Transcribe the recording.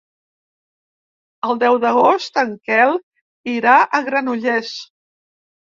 El deu d'agost en Quel irà a Granollers.